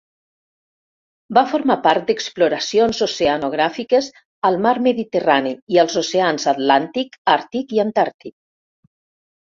Va formar part d'exploracions oceanogràfiques al mar Mediterrani i als oceans Atlàntic, Àrtic i Antàrtic.